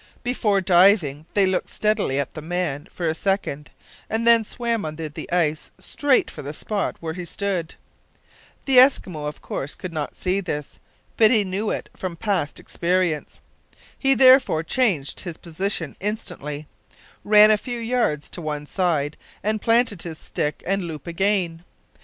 Before diving they looked steadily at the man for a second, and then swam under the ice straight for the spot where he stood. The Eskimo of course could not see this, but he knew it from past experience. He therefore changed his position instantly; ran a few yards to one side, and planted his stick and loop again.